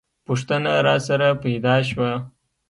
پوښتنه راسره پیدا شوه.